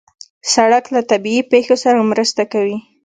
سړک له طبیعي پېښو سره مرسته کوي.